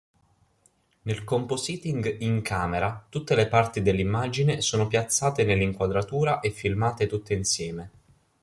Nel compositing "in-camera" tutte le parti dell'immagine sono piazzate nell'inquadratura e filmate tutte insieme.